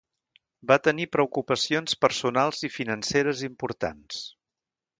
Va tenir preocupacions personals i financeres importants.